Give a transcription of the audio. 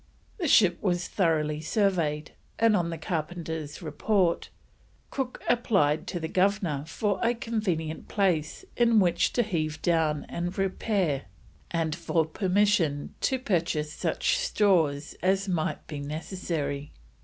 The ship was thoroughly surveyed, and on the carpenter's report, Cook applied to the Governor for a convenient place in which to heave down and repair, and for permission to purchase such stores as might be necessary.